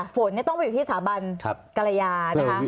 ฝนต้องไปอยู่ที่สถาบันกรยานะคะ